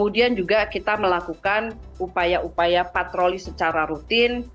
dan juga kita melakukan upaya upaya patroli secara rutin